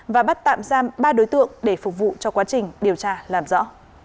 và bắt tạm giam ba đối tượng để phục vụ cho quá trình điều tra làm rõ